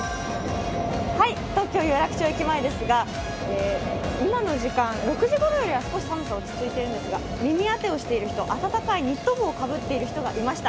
東京・有楽町駅前ですが、今の時間、６時ごろより、少し寒さは落ち着いているんですが耳当てをしていると、暖かいニット帽をかぶっている人を見かけました。